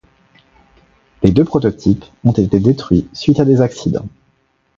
Les deux prototypes ont été détruits suite à des accidents.